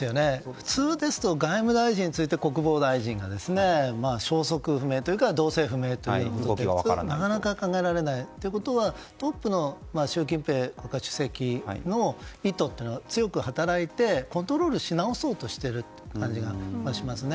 普通、外務大臣に次いで国防大臣が消息不明なのはなかなか考えられないということはトップの習近平国家主席の意図というのが強く働いてコントロールしなおそうとしている感じがしますね。